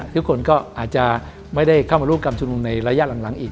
ทุกคนก็อาจจะไม่ได้เข้ามาร่วมการชุมนุมในระยะหลังอีก